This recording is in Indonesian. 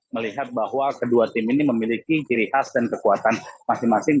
melihat bahwa kedua tim ini memiliki ciri khas dan kekuatan masing masing